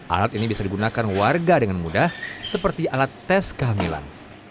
alat ini bisa digunakan warga dengan mudah seperti alat tes kehamilan